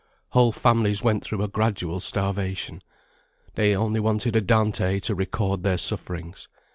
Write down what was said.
Whole families went through a gradual starvation. They only wanted a Dante to record their sufferings.